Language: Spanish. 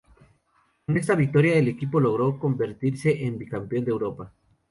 Con esta victoria el equipo logró convertirse en bicampeón de Europa.